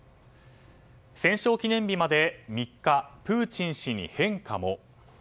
戦勝記念日まで３日プーチン氏に変化も。